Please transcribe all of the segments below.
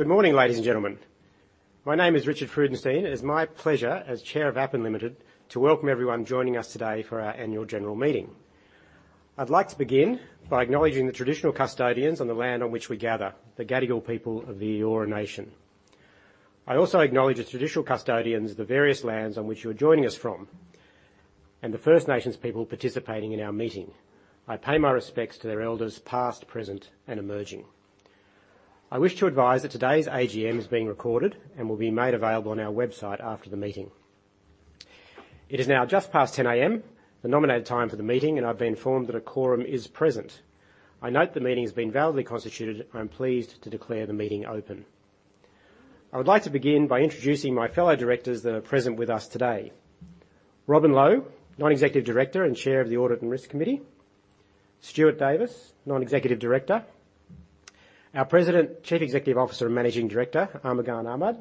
Good morning, ladies and gentlemen. My name is Richard Freudenstein. It is my pleasure as Chair of Appen Limited, to welcome everyone joining us today for our annual general meeting. I'd like to begin by acknowledging the traditional custodians on the land on which we gather, the Gadigal people of the Eora Nation. I also acknowledge the traditional custodians of the various lands on which you are joining us from, and the First Nations people participating in our meeting. I pay my respects to their elders, past, present, and emerging. I wish to advise that today's AGM is being recorded and will be made available on our website after the meeting. It is now just past 10:00 A.M., the nominated time for the meeting, and I've been informed that a quorum is present. I note the meeting has been validly constituted. I'm pleased to declare the meeting open. I would like to begin by introducing my fellow Directors that are present with us today. Robin Low, Non-Executive Director and Chair of the Audit and Risk Committee. Stuart Davis, Non-Executive Director. Our President, Chief Executive Officer, and Managing Director, Armughan Ahmad.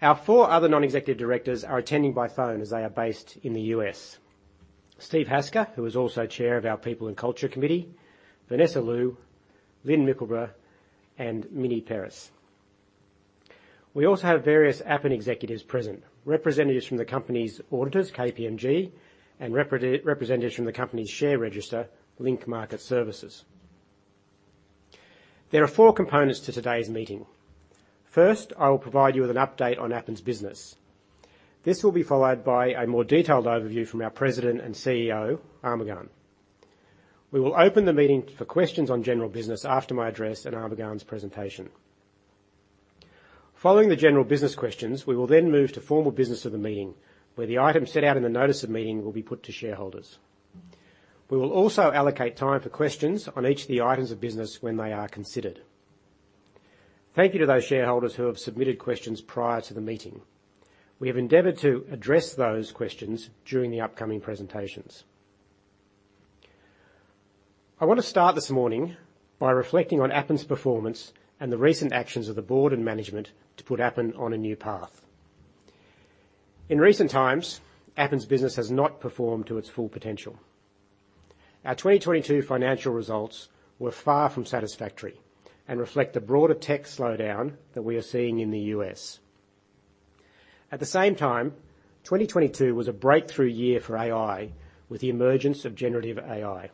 Our four other non-executive directors are attending by phone, as they are based in the U.S. Steve Hasker, who is also Chair of our People and Culture Committee, Vanessa Liu, Lynn Mickleburgh, and Mini Peiris. We also have various Appen executives present, representatives from the company's auditors, KPMG, and representatives from the company's share register, Link Market Services. There are four components to today's meeting. First, I will provide you with an update on Appen's business. This will be followed by a more detailed overview from our President and CEO, Armughan. We will open the meeting for questions on general business after my address and Armughan's presentation. Following the general business questions, we will then move to formal business of the meeting, where the items set out in the notice of meeting will be put to shareholders. We will also allocate time for questions on each of the items of business when they are considered. Thank you to those shareholders who have submitted questions prior to the meeting. We have endeavored to address those questions during the upcoming presentations. I want to start this morning by reflecting on Appen's performance and the recent actions of the board and management to put Appen on a new path. In recent times, Appen's business has not performed to its full potential. Our 2022 financial results were far from satisfactory and reflect the broader tech slowdown that we are seeing in the U.S. At the same time, 2022 was a breakthrough year for AI, with the emergence of generative AI.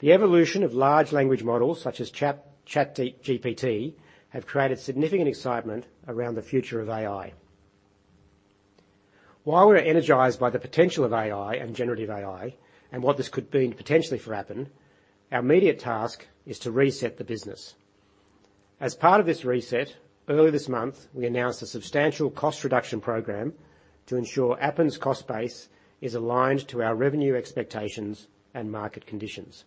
The evolution of large language models such as ChatGPT have created significant excitement around the future of AI. While we're energized by the potential of AI and generative AI and what this could mean potentially for Appen, our immediate task is to reset the business. As part of this reset, earlier this month, we announced a substantial cost reduction program to ensure Appen's cost base is aligned to our revenue expectations and market conditions.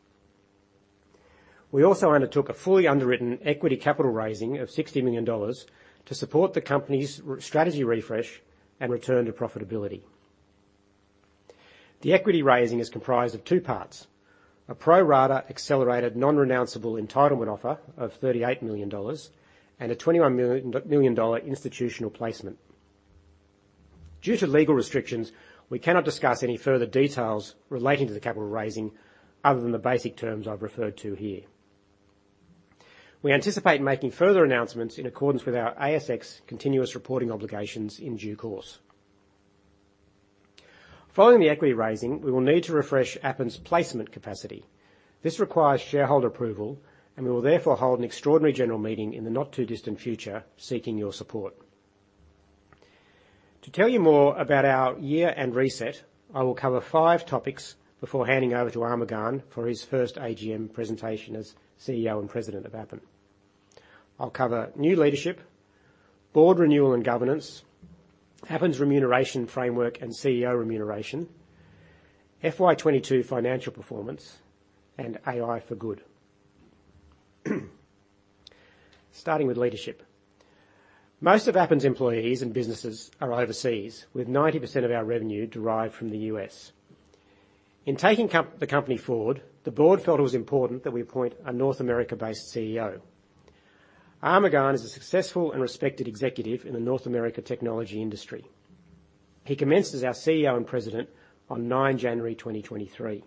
We also undertook a fully underwritten equity capital raising of AUD 60 million to support the company's strategy refresh and return to profitability. The equity raising is comprised of two parts: a pro-rata accelerated, non-renounceable entitlement offer of 38 million dollars and a 21 million dollar institutional placement. Due to legal restrictions, we cannot discuss any further details relating to the capital raising other than the basic terms I've referred to here. We anticipate making further announcements in accordance with our ASX continuous reporting obligations in due course. Following the equity raising, we will need to refresh Appen's placement capacity. This requires shareholder approval, and we will therefore hold an extraordinary general meeting in the not-too-distant future, seeking your support. To tell you more about our year and reset, I will cover five topics before handing over to Armughan for his first AGM presentation as CEO and President of Appen. I'll cover new leadership, board renewal and governance, Appen's remuneration framework and CEO remuneration, FY 2022 financial performance, and AI for good. Starting with leadership. Most of Appen's employees and businesses are overseas, with 90% of our revenue derived from the U.S. In taking the company forward, the board felt it was important that we appoint a North America-based CEO. Armughan is a successful and respected executive in the North America technology industry. He commenced as our CEO and President on 9th January 2023.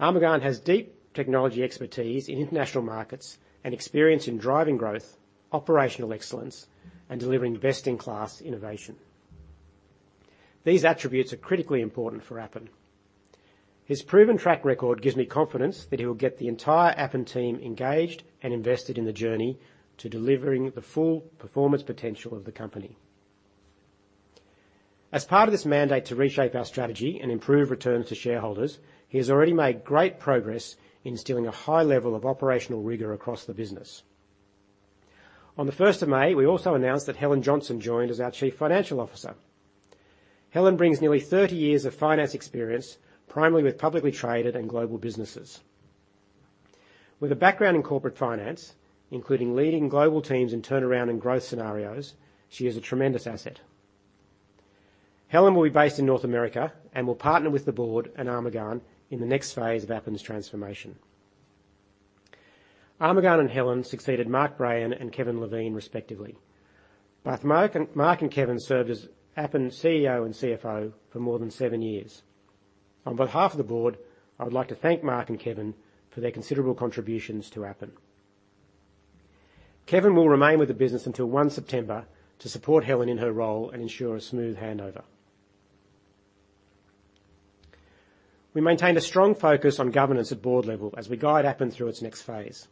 Armughan has deep technology expertise in international markets and experience in driving growth, operational excellence, and delivering best-in-class innovation. These attributes are critically important for Appen. His proven track record gives me confidence that he will get the entire Appen team engaged and invested in the journey to delivering the full performance potential of the company. As part of this mandate to reshape our strategy and improve returns to shareholders, he has already made great progress in instilling a high level of operational rigor across the business. On the 1st of May, we also announced that Helen Johnson joined as our Chief Financial Officer. Helen brings nearly 30 years of finance experience, primarily with publicly traded and global businesses. With a background in corporate finance, including leading global teams in turnaround and growth scenarios, she is a tremendous asset. Helen will be based in North America and will partner with the board and Armughan in the next phase of Appen's transformation. Armughan and Helen succeeded Mark Brayan and Kevin Levine, respectively. Both Mark and Kevin served as Appen CEO and CFO for more than seven years. On behalf of the board, I would like to thank Mark and Kevin for their considerable contributions to Appen. Kevin will remain with the business until one September to support Helen in her role and ensure a smooth handover. We maintained a strong focus on governance at board level as we guide Appen through its next phase.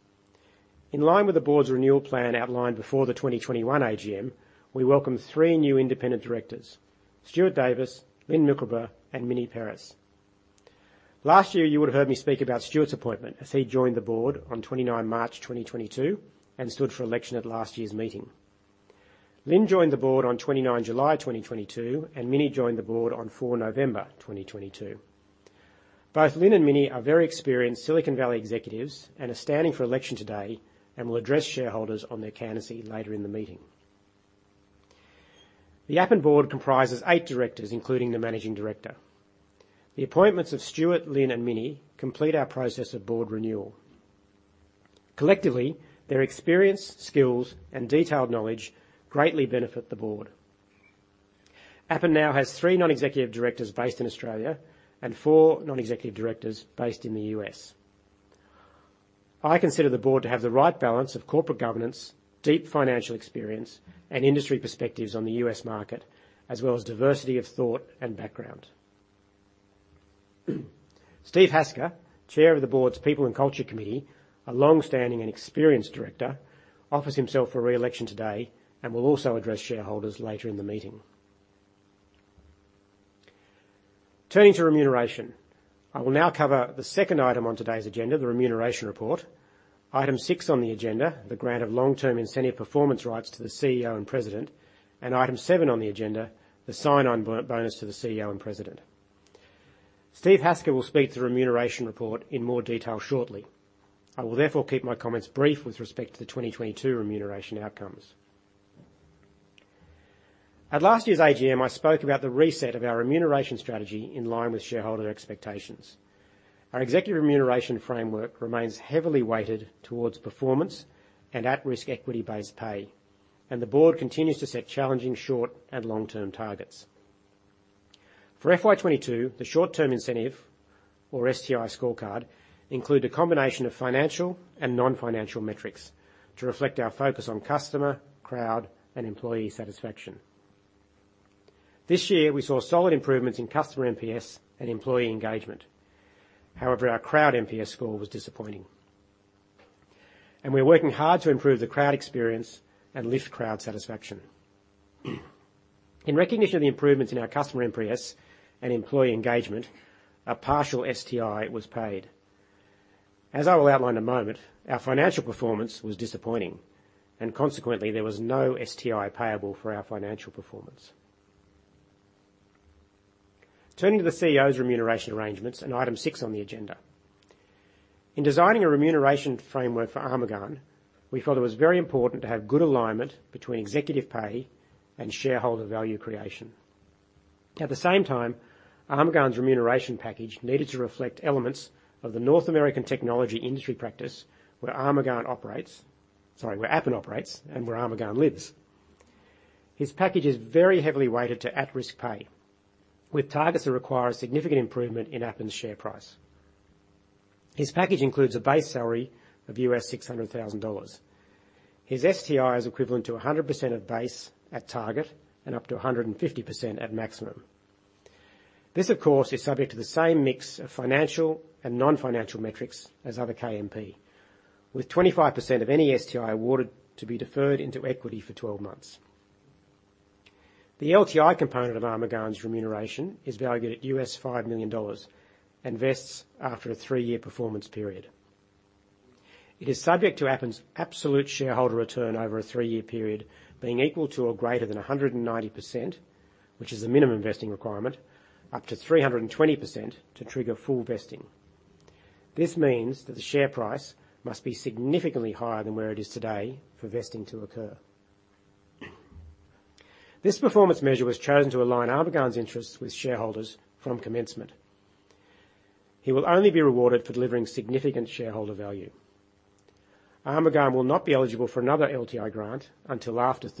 In line with the board's renewal plan outlined before the 2021 AGM, we welcomed three new independent directors, Stuart Davis, Lynn Mickleburgh, and Mini Peiris. Last year, you would have heard me speak about Stuart's appointment as he joined the board on 29 March 2022 and stood for election at last year's meeting. Lynn joined the board on 29 July 2022, and Mini joined the board on 4 November 2022. Both Lynn and Mini are very experienced Silicon Valley executives and are standing for election today, and will address shareholders on their candidacy later in the meeting. The Appen board comprises eight directors, including the managing director. The appointments of Stuart, Lynn, and Mini complete our process of board renewal. Collectively, their experience, skills, and detailed knowledge greatly benefit the board. Appen now has three non-executive directors based in Australia and four non-executive directors based in the U.S. I consider the board to have the right balance of corporate governance, deep financial experience, and industry perspectives on the U.S. market, as well as diversity of thought and background. Steve Hasker, Chair of the board's People and Culture Committee, a long-standing and experienced director, offers himself for re-election today and will also address shareholders later in the meeting. Turning to remuneration. I will now cover the second item on today's agenda, the remuneration report, item six on the agenda, the grant of long-term incentive performance rights to the CEO and President, and item seven on the agenda, the sign-on bonus to the CEO and President. Steve Hasker will speak to the remuneration report in more detail shortly. I will therefore keep my comments brief with respect to the 2022 remuneration outcomes. At last year's AGM, I spoke about the reset of our remuneration strategy in line with shareholder expectations. Our executive remuneration framework remains heavily weighted towards performance and at-risk equity-based pay, and the Board continues to set challenging short and long-term targets. For FY 2022, the short-term incentive or STI scorecard include a combination of financial and non-financial metrics to reflect our focus on customer, crowd, and employee satisfaction. This year, we saw solid improvements in customer NPS and employee engagement. Our crowd NPS score was disappointing, and we are working hard to improve the crowd experience and lift crowd satisfaction. In recognition of the improvements in our customer NPS and employee engagement, a partial STI was paid. As I will outline in a moment, our financial performance was disappointing and consequently, there was no STI payable for our financial performance. Turning to the CEO's remuneration arrangements and item six on the agenda. In designing a remuneration framework for Armughan, we felt it was very important to have good alignment between executive pay and shareholder value creation. At the same time, Armughan's remuneration package needed to reflect elements of the North American technology industry practice where Armughan operates. Sorry, where Appen operates and where Armughan lives. His package is very heavily weighted to at-risk pay, with targets that require a significant improvement in Appen's share price. His package includes a base salary of $600,000. His STI is equivalent to 100% of base at target and up to 150% at maximum. This, of course, is subject to the same mix of financial and non-financial metrics as other KMP, with 25% of any STI awarded to be deferred into equity for 12 months. The LTI component of Armughan's remuneration is valued at $5 million and vests after a three-year performance period. It is subject to Appen's absolute shareholder return over a three-year period, being equal to or greater than 190%, which is the minimum vesting requirement, up to 320% to trigger full vesting. This means that the share price must be significantly higher than where it is today for vesting to occur. This performance measure was chosen to align Armughan's interests with shareholders from commencement. He will only be rewarded for delivering significant shareholder value. Armughan will not be eligible for another LTI grant until after December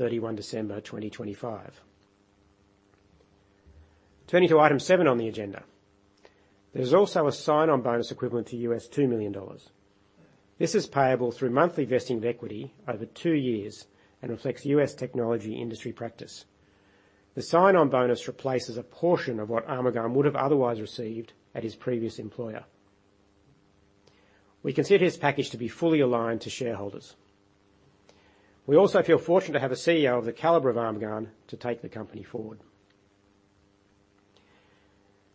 31, 2025. Turning to item seven on the agenda, there is also a sign-on bonus equivalent to $2 million. This is payable through monthly vesting of equity over two years and reflects U.S. technology industry practice. The sign-on bonus replaces a portion of what Armughan would have otherwise received at his previous employer. We consider his package to be fully aligned to shareholders. We also feel fortunate to have a CEO of the caliber of Armughan to take the company forward.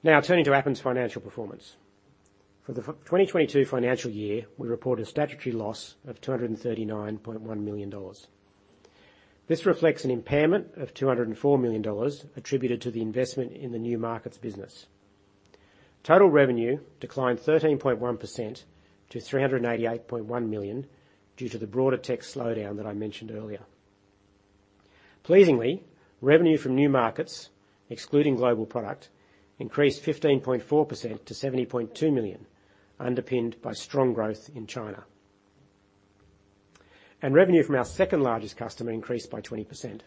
Turning to Appen's financial performance. For the 2022 financial year, we reported a statutory loss of 239.1 million dollars. This reflects an impairment of 204 million dollars attributed to the investment in the new markets business. Total revenue declined 13.1% to 388.1 million due to the broader tech slowdown that I mentioned earlier. Pleasingly, revenue from new markets, excluding global product, increased 15.4% to 70.2 million. underpinned by strong growth in China. Revenue from our second-largest customer increased by 20%.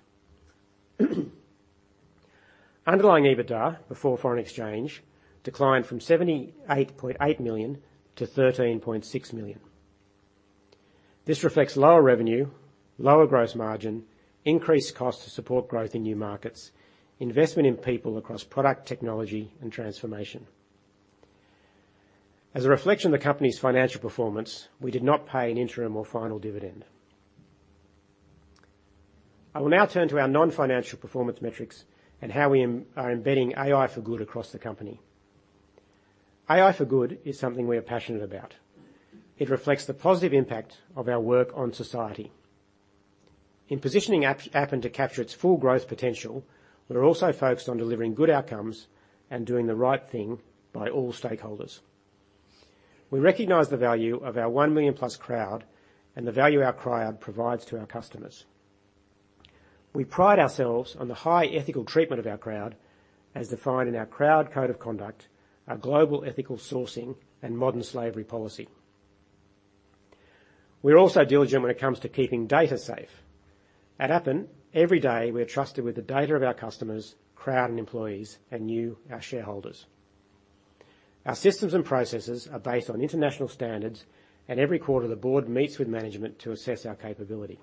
Underlying EBITDA before foreign exchange declined from 78.8 million to 13.6 million. This reflects lower revenue, lower gross margin, increased costs to support growth in new markets, investment in people across product technology and transformation. As a reflection of the company's financial performance, we did not pay an interim or final dividend. I will now turn to our non-financial performance metrics and how we are embedding AI for good across the company. AI for good is something we are passionate about. It reflects the positive impact of our work on society. In positioning Appen to capture its full growth potential, we are also focused on delivering good outcomes and doing the right thing by all stakeholders. We recognize the value of our 1 million+ crowd and the value our crowd provides to our customers. We pride ourselves on the high ethical treatment of our crowd, as defined in our Crowd Code of Ethics, our Global Ethical Sourcing and Modern Slavery Policy. We're also diligent when it comes to keeping data safe. At Appen, every day, we are trusted with the data of our customers, crowd and employees, and you, our shareholders. Our systems and processes are based on international standards, and every quarter, the board meets with management to assess our capability.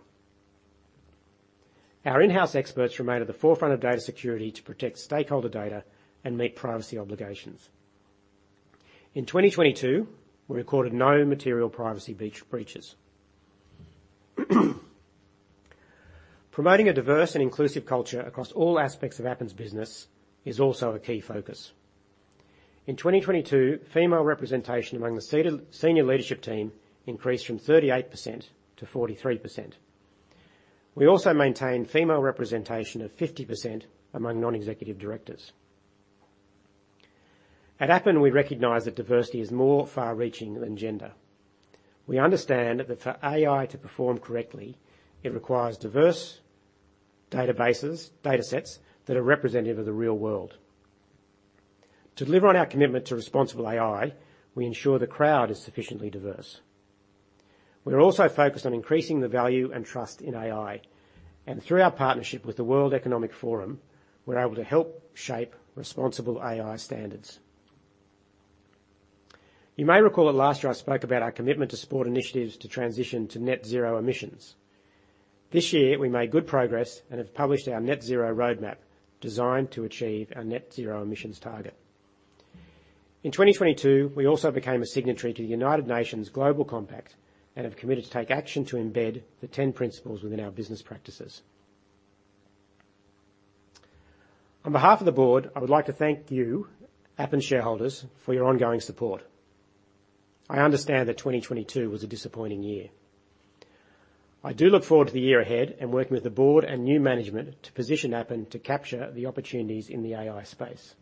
Our in-house experts remain at the forefront of data security to protect stakeholder data and meet privacy obligations. In 2022, we recorded no material privacy breaches. Promoting a diverse and inclusive culture across all aspects of Appen's business is also a key focus. In 2022, female representation among the senior leadership team increased from 38% to 43%. We also maintained female representation of 50% among non-executive directors. At Appen, we recognize that diversity is more far-reaching than gender. We understand that for AI to perform correctly, it requires diverse databases, data sets that are representative of the real world. To deliver on our commitment to responsible AI, we ensure the crowd is sufficiently diverse. We are also focused on increasing the value and trust in AI, and through our partnership with the World Economic Forum, we're able to help shape responsible AI standards. You may recall that last year I spoke about our commitment to support initiatives to transition to Net Zero emissions. This year, we made good progress and have published our Net Zero roadmap, designed to achieve our Net Zero emissions target. In 2022, we also became a signatory to the United Nations Global Compact and have committed to take action to embed the 10 principles within our business practices. On behalf of the board, I would like to thank you, Appen shareholders, for your ongoing support. I understand that 2022 was a disappointing year. I do look forward to the year ahead and working with the board and new management to position Appen to capture the opportunities in the AI space.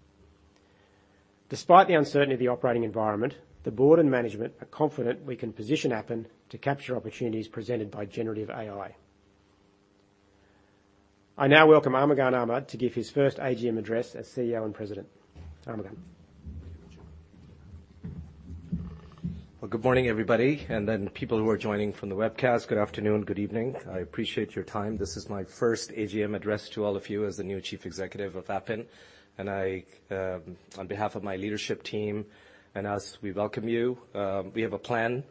Despite the uncertainty of the operating environment, the board and management are confident we can position Appen to capture opportunities presented by generative AI. I now welcome Armughan Ahmad to give his first AGM address as CEO and President. Armughan? Well, good morning, everybody, and then people who are joining from the webcast, good afternoon, good evening. I appreciate your time. This is my first AGM address to all of you as the new Chief Executive of Appen, and I, on behalf of my leadership team and us, we welcome you. We have a plan.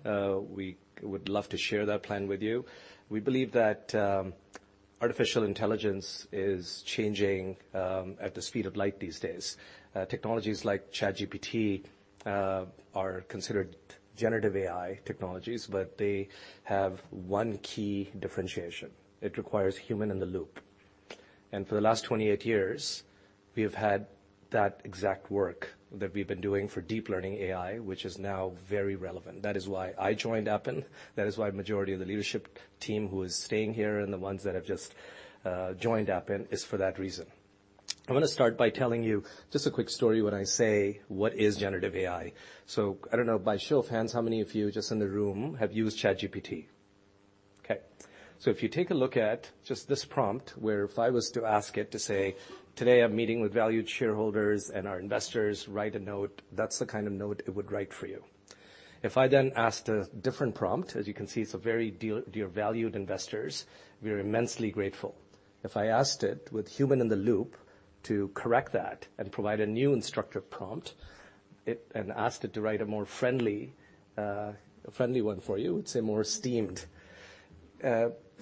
We would love to share that plan with you. We believe that artificial intelligence is changing at the speed of light these days. Technologies like ChatGPT are considered generative AI technologies, but they have one key differentiation: It requires human-in-the-loop. For the last 28 years, we have had that exact work that we've been doing for deep learning AI, which is now very relevant. That is why I joined Appen. That is why majority of the leadership team who is staying here and the ones that have just joined Appen is for that reason. I'm going to start by telling you just a quick story when I say: What is generative AI? I don't know, by show of hands, how many of you just in the room have used ChatGPT? Okay. If you take a look at just this prompt, where if I was to ask it to say, "Today, I'm meeting with valued shareholders and our investors, write a note," that's the kind of note it would write for you. If I then asked a different prompt, as you can see, it's a very dear valued investors, we are immensely grateful. If I asked it with human-in-the-loop to correct that and provide a new instructive prompt, it... Asked it to write a more friendly one for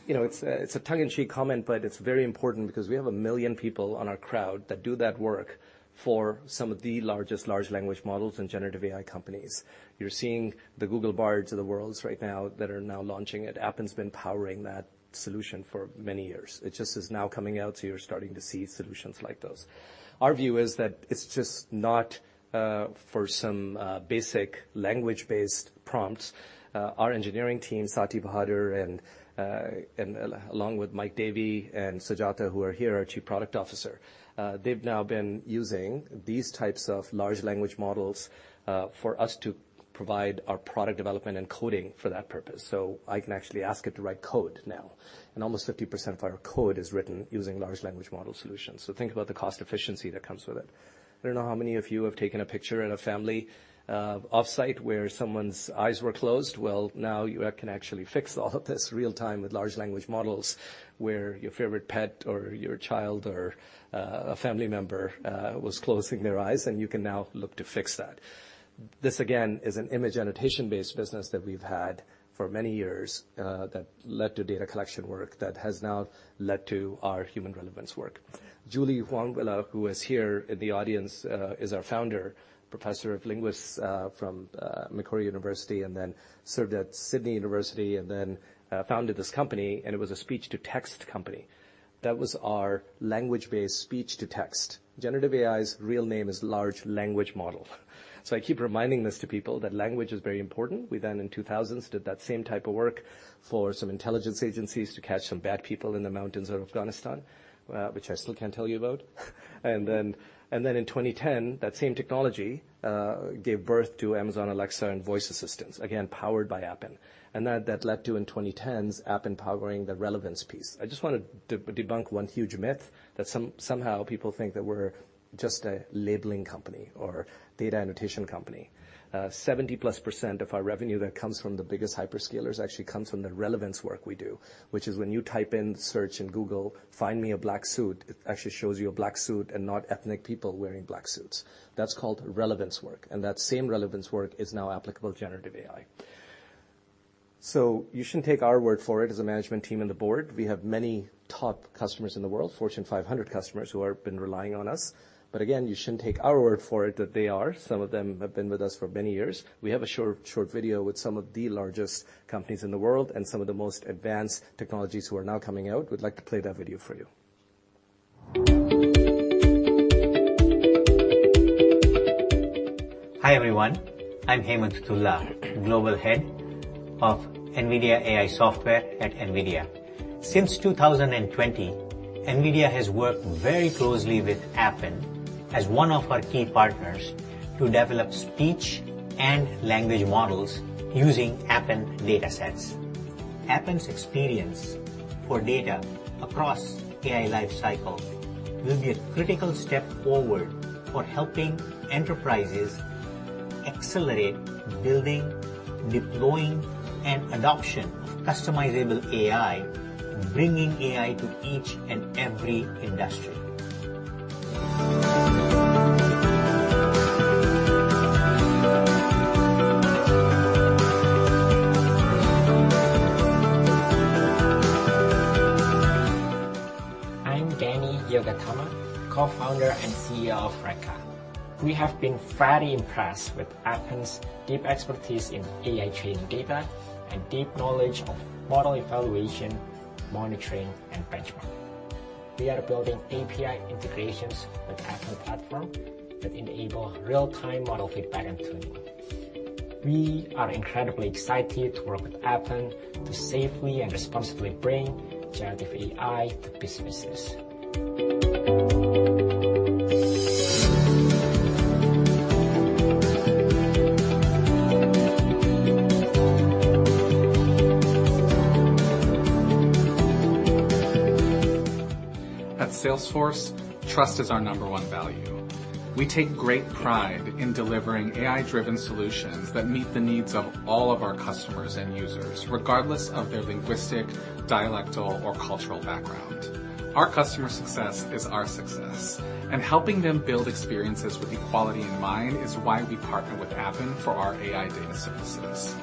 you know, it's a, it's a tongue-in-cheek comment, but it's very important because we have 1 million people on our crowd that do that work for some of the largest large language models and generative AI companies. You're seeing the Google Bards of the worlds right now that are now launching, and Appen's been powering that solution for many years. It just is now coming out, so you're starting to see solutions like those. Our view is that it's just not for some basic language-based prompts. Our engineering team, Saty Bahadur, and along with Mike Davey and Sujatha Sagiraju, who are here, our Chief Product Officer, they've now been using these types of large language models for us to provide our product development and coding for that purpose. I can actually ask it to write code now, and almost 50% of our code is written using large language model solutions. Think about the cost efficiency that comes with it. I don't know how many of you have taken a picture at a family off-site, where someone's eyes were closed. Now you can actually fix all of this real-time with large language models, where your favorite pet or your child or a family member was closing their eyes, and you can now look to fix that. This, again, is an image annotation-based business that we've had for many years, that led to data collection work, that has now led to our human relevance work. Julie Vonwiller, who is here in the audience, is our founder, professor of linguistics, from Macquarie University, and then served at The University of Sydney, and then founded this company, and it was a speech-to-text company. That was our language-based speech-to-text. generative AI's real name is large language model. I keep reminding this to people, that language is very important. We then, in 2000, did that same type of work for some intelligence agencies to catch some bad people in the mountains of Afghanistan, which I still can't tell you about. In 2010, that same technology gave birth to Amazon Alexa and voice assistants, again, powered by Appen. That led to, in 2010s, Appen powering the relevance piece. I just want to debunk one huge myth, that somehow people think that we're just a labeling company or data annotation company. 70+% of our revenue that comes from the biggest hyperscalers actually comes from the relevance work we do, which is when you type in search in Google, "Find me a black suit," it actually shows you a black suit and not ethnic people wearing black suits. That's called relevance work, and that same relevance work is now applicable to generative AI. You shouldn't take our word for it as a management team and the board. We have many top customers in the world, Fortune 500 customers, who been relying on us. Again, you shouldn't take our word for it that they are. Some of them have been with us for many years. We have a short video with some of the largest companies in the world and some of the most advanced technologies who are now coming out. We'd like to play that video for you. Hi, everyone. I'm Hemant Tuli, Global Head of NVIDIA AI Software at NVIDIA. Since 2020, NVIDIA has worked very closely with Appen as one of our key partners to develop speech and language models using Appen datasets. Appen's experience for data across AI lifecycle will be a critical step forward for helping enterprises accelerate building, deploying, and adoption of customizable AI, bringing AI to each and every industry. I'm Dani Yogatama, Co-founder and CEO of Reka. We have been very impressed with Appen's deep expertise in AI training data, and deep knowledge of model evaluation, monitoring, and benchmarking. We are building API integrations with Appen platform that enable real-time model feedback and tuning. We are incredibly excited to work with Appen to safely and responsibly bring generative AI to businesses. At Salesforce, trust is our number one value. We take great pride in delivering AI-driven solutions that meet the needs of all of our customers and users, regardless of their linguistic, dialectal, or cultural background. Our customer success is our success, and helping them build experiences with equality in mind is why we partner with Appen for our AI data services.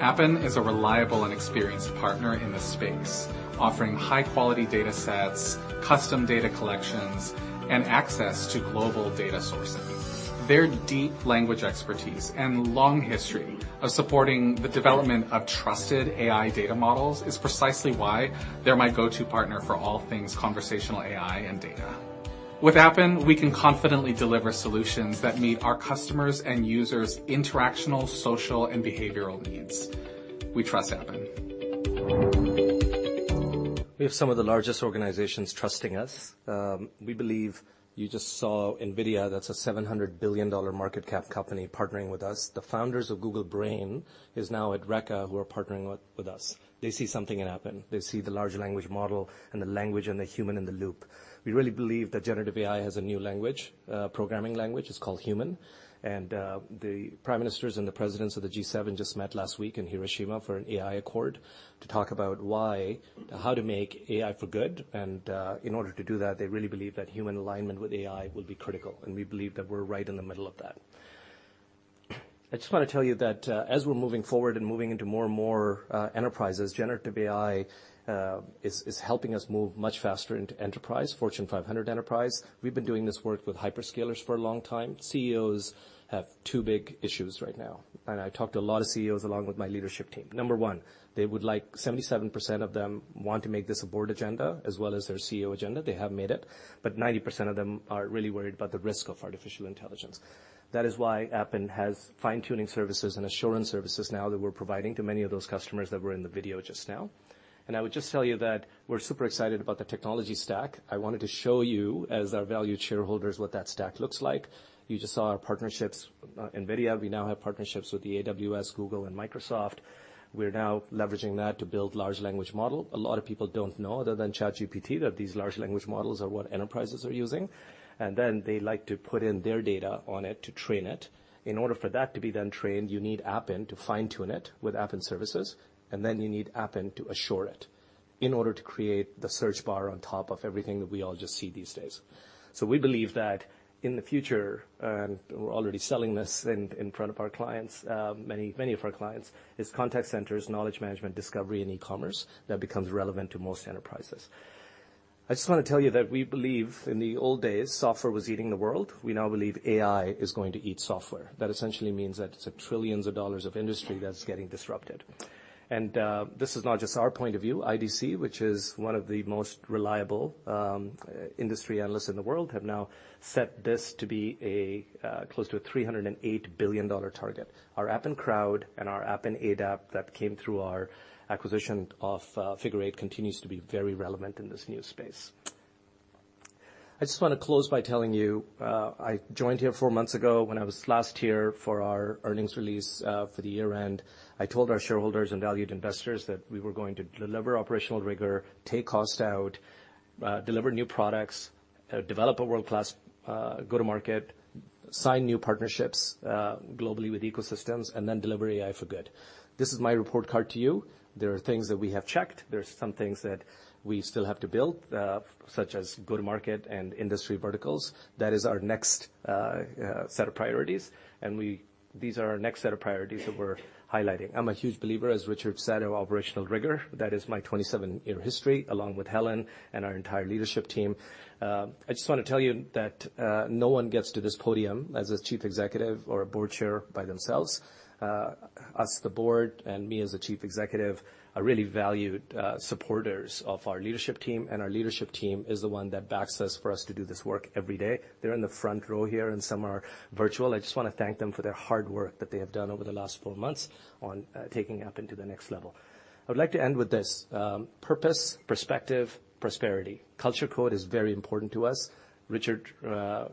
Appen is a reliable and experienced partner in the space, offering high-quality datasets, custom data collections, and access to global data sources. Their deep language expertise and long history of supporting the development of trusted AI data models is precisely why they're my go-to partner for all things conversational AI and data. With Appen, we can confidently deliver solutions that meet our customers' and users' interactional, social, and behavioral needs. We trust Appen. We have some of the largest organizations trusting us. We believe you just saw NVIDIA, that's a 700 billion dollar market cap company partnering with us. The founders of Google Brain is now at Reka, who are partnering with us. They see something in Appen. They see the large language model and the language and the human-in-the-loop. We really believe that generative AI has a new language, programming language, it's called Human. The prime ministers and the presidents of the G7 just met last week in Hiroshima for an AI accord to talk about how to make AI for good, and in order to do that, they really believe that human alignment with AI will be critical, and we believe that we're right in the middle of that. I just want to tell you that, as we're moving forward and moving into more and more enterprises, generative AI is helping us move much faster into enterprise, Fortune 500 enterprise. We've been doing this work with hyperscalers for a long time. CEOs have two big issues right now. I talked to a lot of CEOs along with my leadership team. Number one, they would like 77% of them want to make this a board agenda as well as their CEO agenda. They have made it. 90% of them are really worried about the risk of artificial intelligence. That is why Appen has fine-tuning services and assurance services now that we're providing to many of those customers that were in the video just now. I would just tell you that we're super excited about the technology stack. I wanted to show you, as our valued shareholders, what that stack looks like. You just saw our partnerships. In NVIDIA, we now have partnerships with the AWS, Google, and Microsoft. We're now leveraging that to build large language model. A lot of people don't know, other than ChatGPT, that these large language models are what enterprises are using, and then they like to put in their data on it to train it. In order for that to be then trained, you need Appen to fine-tune it with Appen services, and then you need Appen to assure it in order to create the search bar on top of everything that we all just see these days. We believe that in the future, and we're already selling this in front of our clients, many, many of our clients, is contact centers, knowledge management, discovery, and e-commerce. That becomes relevant to most enterprises. I just want to tell you that we believe in the old days, software was eating the world. We now believe AI is going to eat software. That essentially means that it's a trillions of dollars of industry that's getting disrupted. This is not just our point of view. IDC, which is one of the most reliable industry analysts in the world, have now set this to be a close to a 308 billion dollar target. Our Appen Crowd and our Appen ADAP that came through our acquisition of Figure Eight, continues to be very relevant in this new space. I just want to close by telling you, I joined here four months ago. When I was last here for our earnings release, for the year end, I told our shareholders and valued investors that we were going to deliver operational rigor, take cost out, deliver new products, develop a world-class go-to-market, sign new partnerships, globally with ecosystems, and then deliver AI for good. This is my report card to you. There are things that we have checked. There are some things that we still have to build, such as go-to-market and industry verticals. That is our next set of priorities, and these are our next set of priorities that we're highlighting. I'm a huge believer, as Richard said, of operational rigor. That is my 27-year history, along with Helen and our entire leadership team. I just want to tell you that no one gets to this podium as a chief executive or a board chair by themselves. As the board and me as the chief executive, are really valued supporters of our leadership team, and our leadership team is the one that backs us for us to do this work every day. They're in the front row here, and some are virtual. I just want to thank them for their hard work that they have done over the last four months on taking Appen to the next level. I would like to end with this: purpose, perspective, prosperity. Culture code is very important to us. Richard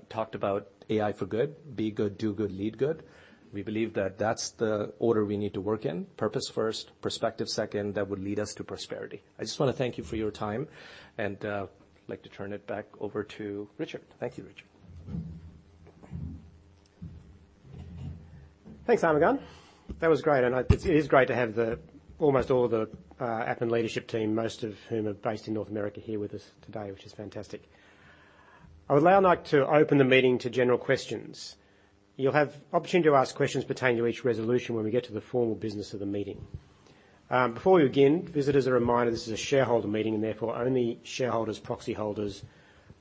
talked about AI for good. Be good, do good, lead good. We believe that that's the order we need to work in. Purpose first, perspective second, that would lead us to prosperity. I just want to thank you for your time. I'd like to turn it back over to Richard. Thank you, Richard. Thanks, Armughan. That was great. It is great to have the, almost all the, Appen leadership team, most of whom are based in North America, here with us today, which is fantastic. I would now like to open the meeting to general questions. You'll have opportunity to ask questions pertaining to each resolution when we get to the formal business of the meeting. Before we begin, just as a reminder, this is a shareholder meeting, and therefore, only shareholders, proxy holders,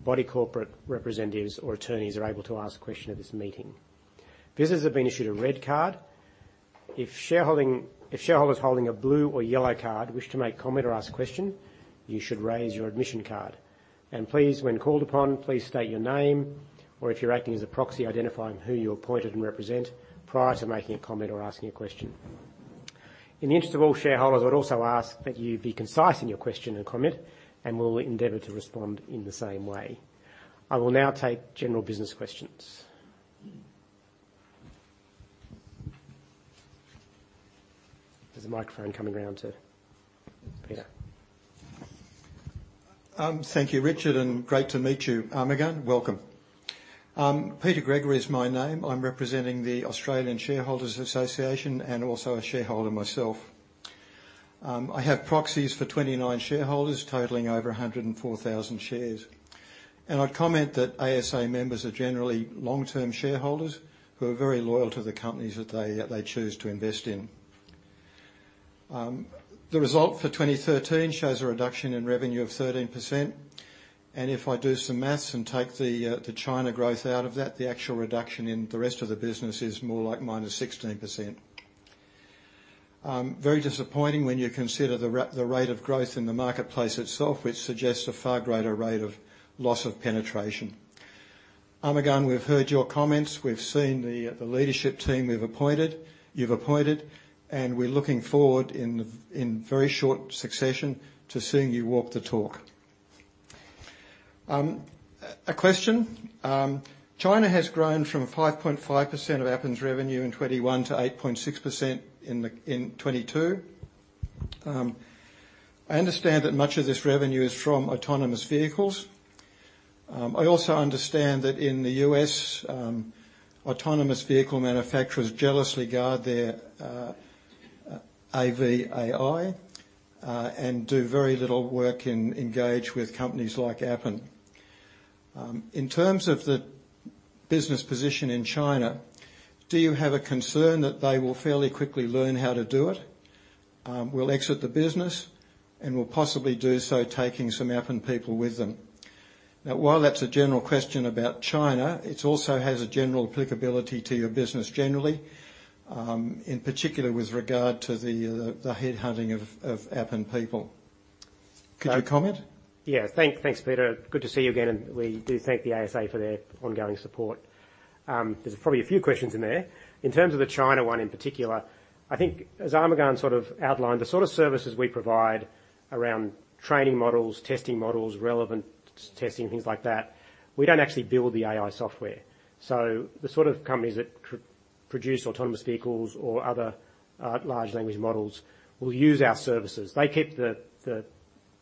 body corporate representatives, or attorneys are able to ask a question at this meeting. Visitors have been issued a red card. If shareholders holding a blue or yellow card wish to make comment or ask a question, you should raise your admission card. Please, when called upon, please state your name, or if you're acting as a proxy, identifying who you appointed and represent prior to making a comment or asking a question. In the interest of all shareholders, I'd also ask that you be concise in your question and comment, and we will endeavor to respond in the same way. I will now take general business questions. There's a microphone coming around to Peter. Thank you, Richard, and great to meet you, Armughan. Welcome. Peter Gregory is my name. I'm representing the Australian Shareholders' Association and also a shareholder myself. I have proxies for 29 shareholders, totaling over 104,000 shares. I'd comment that ASA members are generally long-term shareholders who are very loyal to the companies that they choose to invest in. The result for 2013 shows a reduction in revenue of 13%, and if I do some maths and take the China growth out of that, the actual reduction in the rest of the business is more like -16%. Very disappointing when you consider the rate of growth in the marketplace itself, which suggests a far greater rate of loss of penetration. Armughan, we've heard your comments. We've seen the leadership team we've appointed. You've appointed. We're looking forward in very short succession to seeing you walk the talk. A question. China has grown from 5.5% of Appen's revenue in 2021 to 8.6% in 2022. I understand that much of this revenue is from autonomous vehicles. I also understand that in the U.S., autonomous vehicle manufacturers jealously guard their AV, AI, and do very little work in engage with companies like Appen. In terms of the business position in China, do you have a concern that they will fairly quickly learn how to do it, will exit the business, and will possibly do so taking some Appen people with them? Now, while that's a general question about China, it also has a general applicability to your business generally, in particular, with regard to the headhunting of Appen people. Could you comment? Yeah. Thanks, Peter. Good to see you again, and we do thank the ASA for their ongoing support. There's probably a few questions in there. In terms of the China one in particular, I think as Armughan sort of outlined, the sort of services we provide around training models, testing models, relevant testing, things like that, we don't actually build the AI software. The sort of companies that produce autonomous vehicles or other large language models will use our services.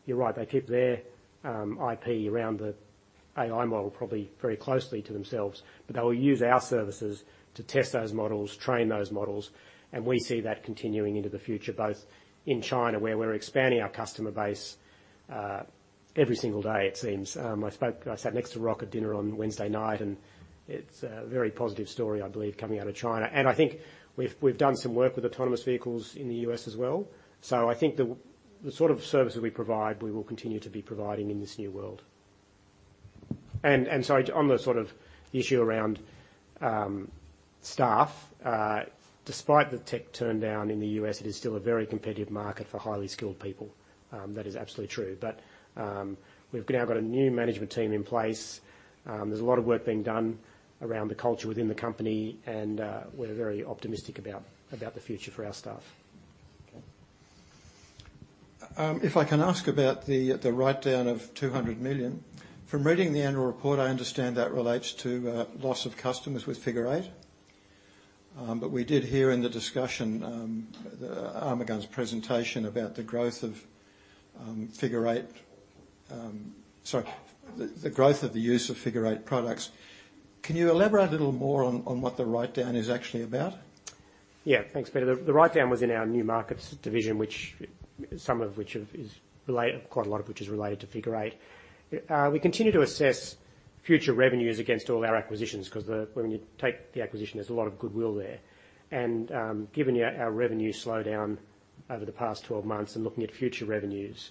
You're right, they keep their IP around the AI model probably very closely to themselves, but they will use our services to test those models, train those models, and we see that continuing into the future, both in China, where we're expanding our customer base, every single day, it seems. I sat next to Rock at dinner on Wednesday night, it's a very positive story, I believe, coming out of China. I think we've done some work with autonomous vehicles in the U.S. as well. I think the sort of services we provide, we will continue to be providing in this new world. Sorry, on the sort of issue around staff, despite the tech turndown in the U.S., it is still a very competitive market for highly skilled people. That is absolutely true. We've now got a new management team in place. There's a lot of work being done around the culture within the company, and we're very optimistic about the future for our staff. If I can ask about the write-down of 200 million. From reading the annual report, I understand that relates to loss of customers with Figure Eight. We did hear in the discussion, Armughan's presentation about the growth of Figure Eight. Sorry, the growth of the use of Figure Eight products. Can you elaborate a little more on what the write-down is actually about? Thanks, Peter. The write-down was in our new markets division, which, some of which is quite a lot of which is related to Figure Eight. We continue to assess future revenues against all our acquisitions, 'cause when you take the acquisition, there's a lot of goodwill there. Given our revenue slowdown over the past 12 months and looking at future revenues,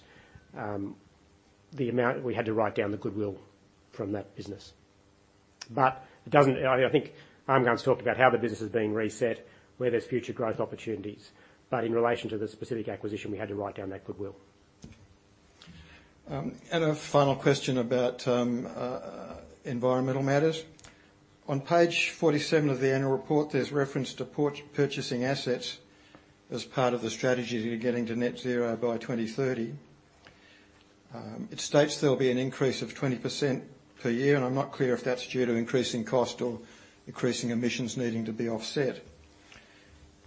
the amount we had to write down the goodwill from that business. It doesn't. I think Armughan's talked about how the business is being reset, where there's future growth opportunities. In relation to the specific acquisition, we had to write down that goodwill. A final question about environmental matters. On page 47 of the annual report, there's reference to purchasing assets as part of the strategy to getting to Net Zero by 2030. It states there'll be an increase of 20% per year, I'm not clear if that's due to increasing cost or increasing emissions needing to be offset.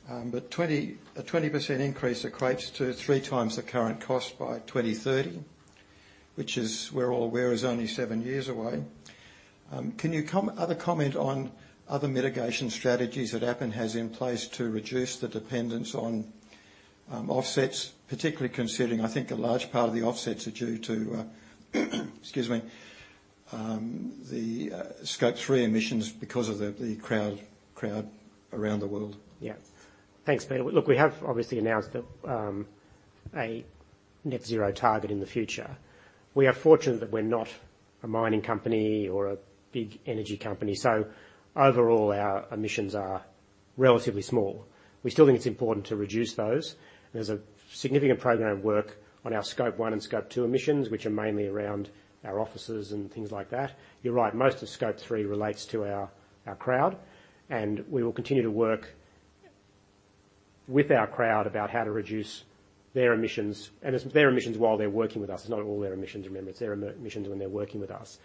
A 20% increase equates to 3x the current cost by 2030, which is, we're all aware, is only seven years away. Can you comment on other mitigation strategies that Appen has in place to reduce the dependence on offsets, particularly considering, I think a large part of the offsets are due to, excuse me, the Scope 3 emissions because of the crowd around the world? Yeah. Thanks, Peter. Look, we have obviously announced that a Net Zero target in the future. We are fortunate that we're not a mining company or a big energy company, so overall, our emissions are relatively small. We still think it's important to reduce those. There's a significant program of work on our Scope 1 and Scope 2 emissions, which are mainly around our offices and things like that. You're right, most of Scope 3 relates to our Crowd, and we will continue to work with our Crowd about how to reduce their emissions, and it's their emissions while they're working with us. It's not all their emissions, remember. It's their emissions when they're working with us.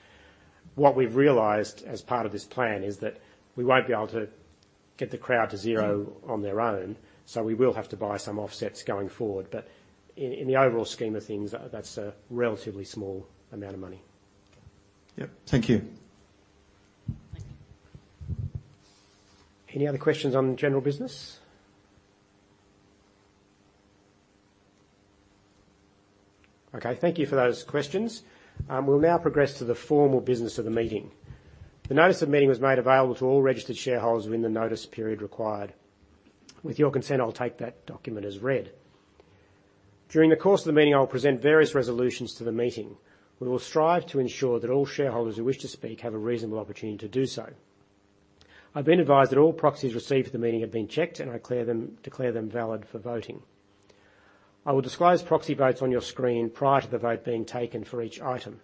What we've realized as part of this plan is that we won't be able to get the crowd to zero on their own, so we will have to buy some offsets going forward. In the overall scheme of things, that's a relatively small amount of money. Yep. Thank you. Any other questions on general business? Okay, thank you for those questions. We'll now progress to the formal business of the meeting. The notice of meeting was made available to all registered shareholders within the notice period required. With your consent, I'll take that document as read. During the course of the meeting, I will present various resolutions to the meeting. We will strive to ensure that all shareholders who wish to speak have a reasonable opportunity to do so. I've been advised that all proxies received for the meeting have been checked, and I declare them valid for voting. I will disclose proxy votes on your screen prior to the vote being taken for each item.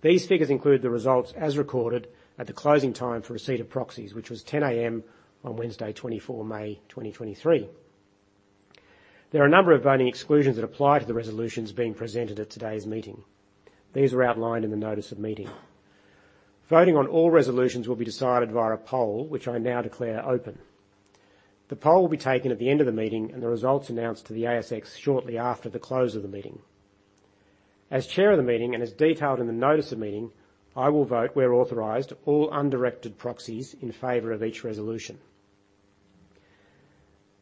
These figures include the results as recorded at the closing time for receipt of proxies, which was 10:00 A.M. on Wednesday, 24 May 2023. There are a number of voting exclusions that apply to the resolutions being presented at today's meeting. These are outlined in the notice of meeting. Voting on all resolutions will be decided via a poll, which I now declare open. The poll will be taken at the end of the meeting, and the results announced to the ASX shortly after the close of the meeting. As chair of the meeting, and as detailed in the notice of meeting, I will vote, where authorized, all undirected proxies in favor of each resolution.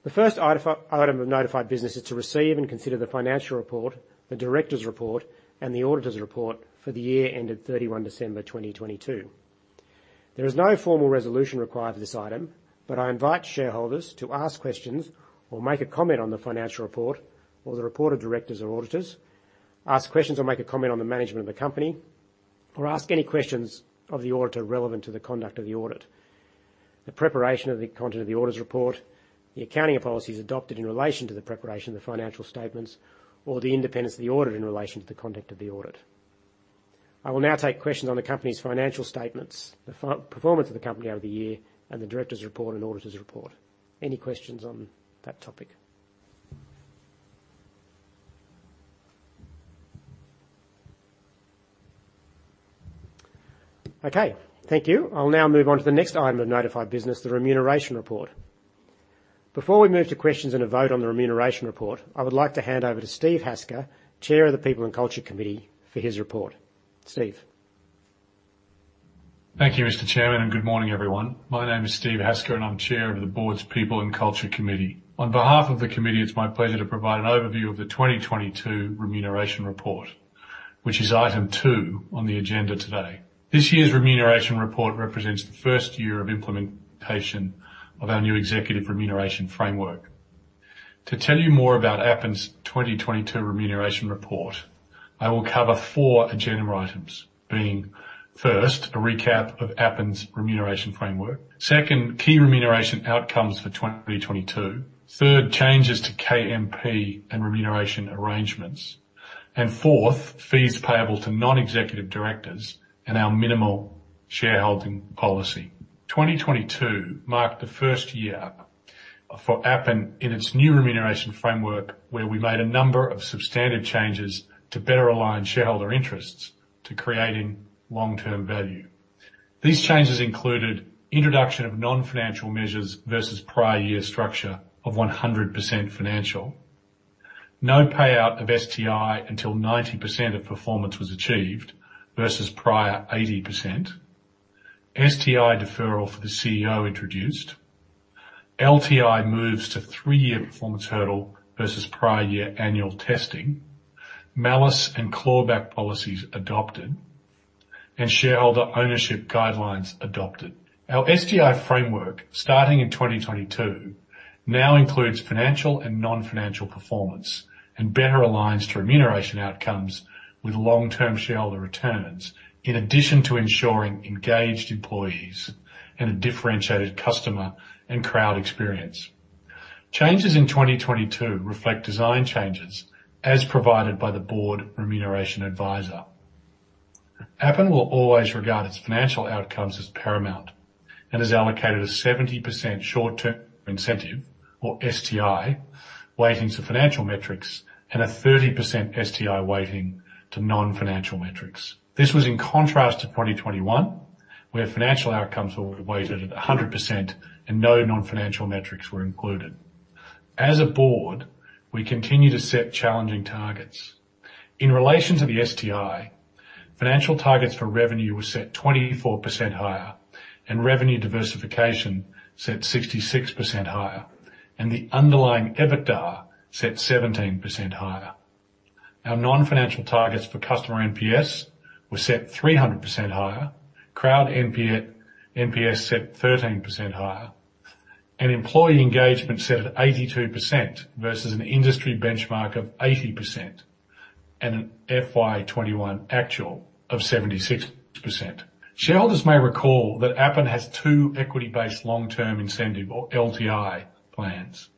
The first item of notified business is to receive and consider the financial report, the directors' report, and the auditors' report for the year ended 31 December 2022. There is no formal resolution required for this item, but I invite shareholders to ask questions or make a comment on the financial report or the reported directors or auditors, ask questions or make a comment on the management of the company, or ask any questions of the auditor relevant to the conduct of the audit, the preparation of the content of the auditor's report, the accounting policies adopted in relation to the preparation of the financial statements, or the independence of the auditor in relation to the conduct of the audit. I will now take questions on the company's financial statements, the performance of the company over the year, and the directors' report and auditors' report. Any questions on that topic? Okay, thank you. I'll now move on to the next item of notified business, the remuneration report. Before we move to questions and a vote on the remuneration report, I would like to hand over to Steve Hasker, Chair of the People and Culture Committee, for his report. Steve? Thank you, Mr. Chairman. Good morning, everyone. My name is Steve Hasker, and I'm Chair of the Board's People and Culture Committee. On behalf of the committee, it's my pleasure to provide an overview of the 2022 Remuneration Report, which is item two on the agenda today. This year's Remuneration Report represents the first year of implementation of our new executive remuneration framework. To tell you more about Appen's 2022 Remuneration Report, I will cover four agenda items, being first, a recap of Appen's remuneration framework, second, key remuneration outcomes for 2022, third, changes to KMP and remuneration arrangements, and fourth, fees payable to non-executive directors and our minimal shareholding policy. 2022 marked the first year for Appen in its new remuneration framework, where we made a number of substandard changes to better align shareholder interests to creating long-term value. These changes included introduction of non-financial measures versus prior year structure of 100% financial, no payout of STI until 90% of performance was achieved versus prior 80%, STI deferral for the CEO introduced, LTI moves to three-year performance hurdle versus prior year annual testing, malice and clawback policies adopted, and shareholder ownership guidelines adopted. Our STI framework, starting in 2022, now includes financial and non-financial performance and better aligns to remuneration outcomes with long-term shareholder returns, in addition to ensuring engaged employees and a differentiated customer and crowd experience. Changes in 2022 reflect design changes as provided by the Board Remuneration Advisor. Appen will always regard its financial outcomes as paramount and has allocated a 70% short-term incentive, or STI, weighting to financial metrics and a 30% STI weighting to non-financial metrics. This was in contrast to 2021, where financial outcomes were weighted at 100% and no non-financial metrics were included. As a board, we continue to set challenging targets. In relation to the STI, financial targets for revenue were set 24% higher and revenue diversification set 66% higher, and the underlying EBITDA set 17% higher. Our non-financial targets for customer NPS were set 300% higher, Crowd NPS set 13% higher, and employee engagement set at 82% versus an industry benchmark of 80% and an FY 2021 actual of 76%. Shareholders may recall that Appen has two equity-based long-term incentive or LTI plans.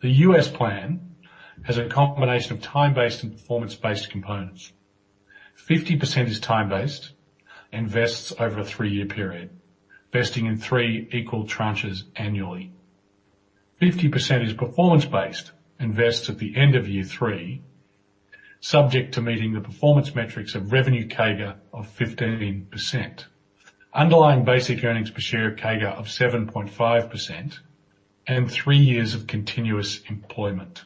The U.S. plan has a combination of time-based and performance-based components. 50% is time-based and vests over a three-year period, vesting in three equal tranches annually. 50% is performance-based and vests at the end of year three, subject to meeting the performance metrics of revenue CAGR of 15%, underlying basic earnings per share CAGR of 7.5%, and three years of continuous employment.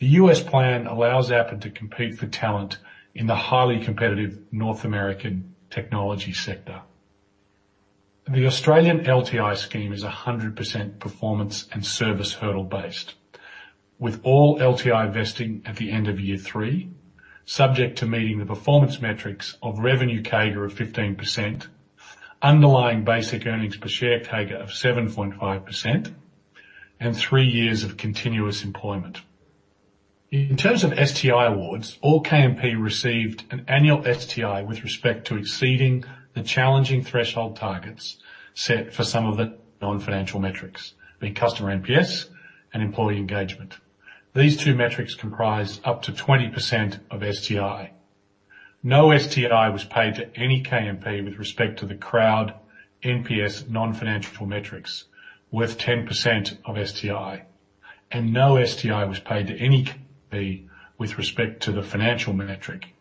The U.S. plan allows Appen to compete for talent in the highly competitive North American technology sector. The Australian LTI scheme is 100% performance and service hurdle-based, with all LTI vesting at the end of year three, subject to meeting the performance metrics of revenue CAGR of 15%, underlying basic earnings per share CAGR of 7.5%, and three years of continuous employment. In terms of STI awards, all KMP received an annual STI with respect to exceeding the challenging threshold targets set for some of the non-financial metrics, being customer NPS and employee engagement. These two metrics comprise up to 20% of STI. No STI was paid to any KMP with respect to the crowd NPS non-financial metrics, worth 10% of STI, and no STI was paid to any KMP with respect to the financial metric,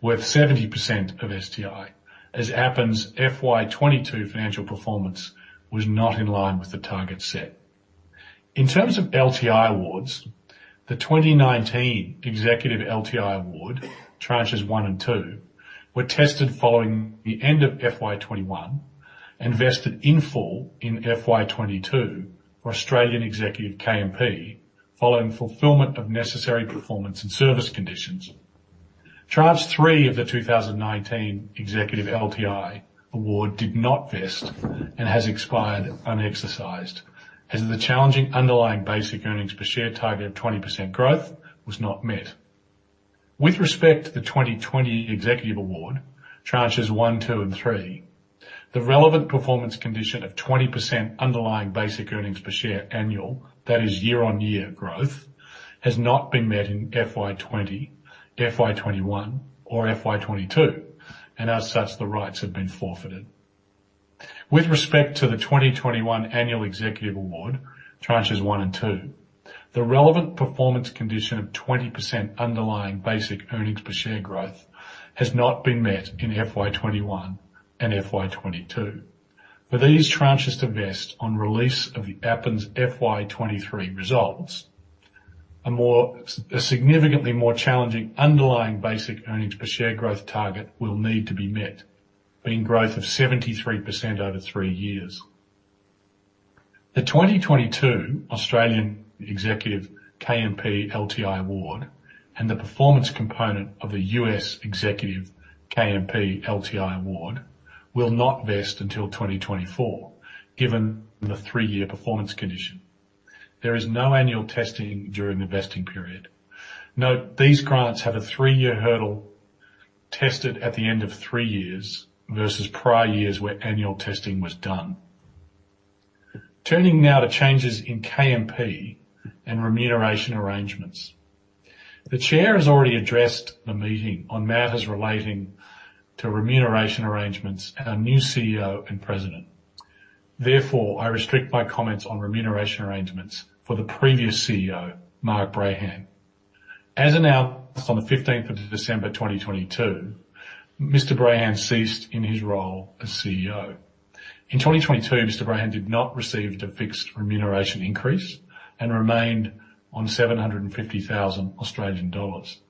worth 70% of STI, as Appen's FY 2022 financial performance was not in line with the target set. In terms of LTI. The 2019 executive LTI award, tranches one and two, were tested following the end of FY 2021 and vested in full in FY 2022 for Australian executive KMP, following fulfillment of necessary performance and service conditions. Tranche three of the 2019 executive LTI award did not vest and has expired unexercised, as the challenging underlying basic earnings per share target of 20% growth was not met. With respect to the 2020 executive award, tranches 1, 2, and 3, the relevant performance condition of 20% underlying basic earnings per share annual, that is year-on-year growth, has not been met in FY 2020, FY 2021 or FY 2022. As such, the rights have been forfeited. With respect to the 2021 annual executive award, tranches 1 and 2, the relevant performance condition of 20% underlying basic earnings per share growth has not been met in FY 2021 and FY 2022. For these tranches to vest on release of Appen's FY 2023 results, a significantly more challenging underlying basic earnings per share growth target will need to be met, being growth of 73% over three years. The 2022 Australian executive KMP LTI award and the performance component of the U.S. executive KMP LTI award will not vest until 2024, given the three-year performance condition. There is no annual testing during the vesting period. Note, these grants have a three-year hurdle tested at the end of three-years versus prior years, where annual testing was done. Turning now to changes in KMP and remuneration arrangements. The Chair has already addressed the meeting on matters relating to remuneration arrangements and our new CEO and President. Therefore, I restrict my comments on remuneration arrangements for the previous CEO, Mark Brayan. As announced on the 15th of December, 2022, Mr. Brayan ceased in his role as CEO. In 2022, Mr. Brayan did not receive the fixed remuneration increase and remained on 750,000 Australian dollars.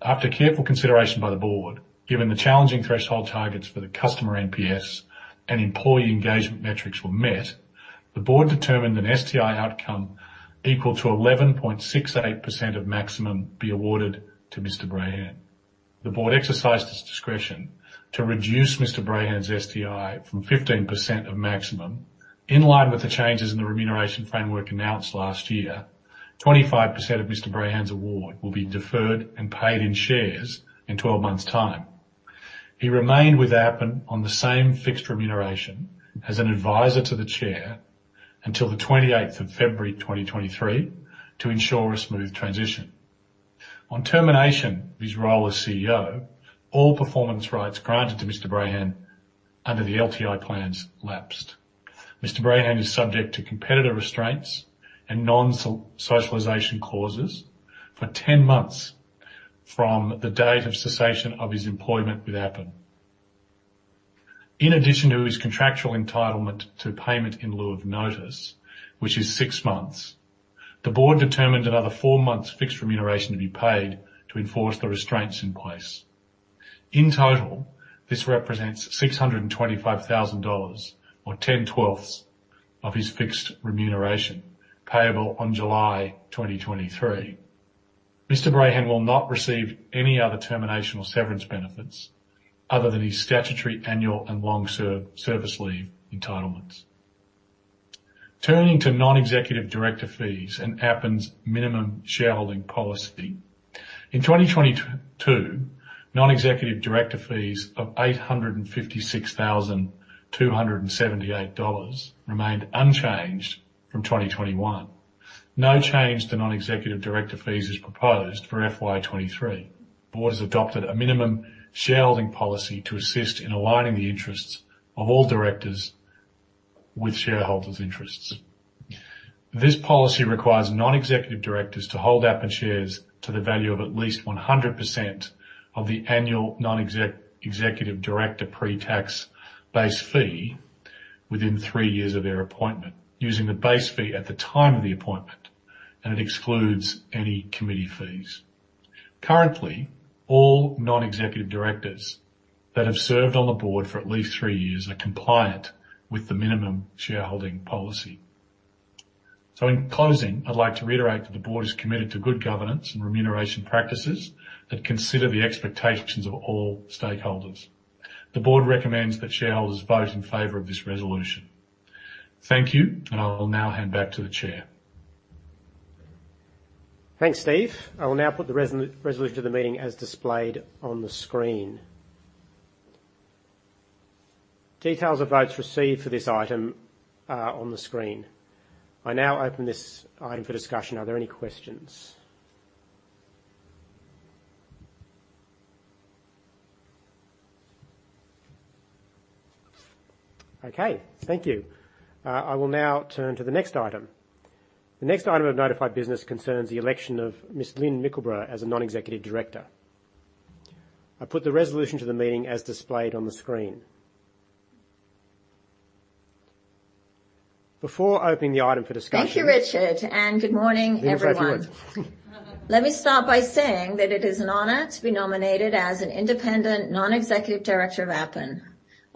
After careful consideration by the board, given the challenging threshold targets for the customer NPS and employee engagement metrics were met, the board determined an STI outcome equal to 11.68% of maximum be awarded to Mr. Brayan. The board exercised its discretion to reduce Mr. Brayan's STI from 15% of maximum. In line with the changes in the remuneration framework announced last year, 25% of Mr. Brayan's award will be deferred and paid in shares in 12 months' time. He remained with Appen on the same fixed remuneration as an advisor to the chair until the 28th of February, 2023, to ensure a smooth transition. On termination of his role as CEO, all performance rights granted to Mr. Brayan under the LTI plans lapsed. Mr. Brayan is subject to competitor restraints and non-socialization clauses for 10 months from the date of cessation of his employment with Appen. In addition to his contractual entitlement to payment in lieu of notice, which is six months, the board determined another four months fixed remuneration to be paid to enforce the restraints in place. In total, this represents 625,000 dollars, or 10 twelfths of his fixed remuneration, payable on July 2023. Mr. Brayan will not receive any other termination or severance benefits other than his statutory, annual, and long-service leave entitlements. Turning to non-executive director fees and Appen's minimum shareholding policy. In 2022, non-executive director fees of 856,278 dollars remained unchanged from 2021. No change to non-executive director fees is proposed for FY 2023. The board has adopted a minimum shareholding policy to assist in aligning the interests of all directors with shareholders' interests. This policy requires non-executive directors to hold Appen shares to the value of at least 100% of the annual non-executive director pre-tax base fee within three-years of their appointment, using the base fee at the time of the appointment, and it excludes any committee fees. Currently, all non-executive directors that have served on the board for at least three-years are compliant with the minimum shareholding policy. In closing, I'd like to reiterate that the board is committed to good governance and remuneration practices that consider the expectations of all stakeholders. The board recommends that shareholders vote in favor of this resolution. Thank you, and I will now hand back to the chair. Thanks, Steve. I will now put the resolution to the meeting as displayed on the screen. Details of votes received for this item are on the screen. I now open this item for discussion. Are there any questions? Okay, thank you. I will now turn to the next item. The next item of notified business concerns the election of Ms. Lynn Mickleburgh as a Non-executive Director. I put the resolution to the meeting as displayed on the screen. Before opening the item for discussion. Thank you, Richard, and good morning, everyone. Lynn's ready to go. Let me start by saying that it is an honor to be nominated as an independent non-executive director of Appen.